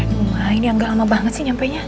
nunga ini yang gak lama banget sih nyampe nya